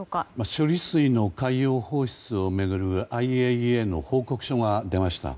処理水の海洋放出を巡るＩＡＥＡの報告書が出ました。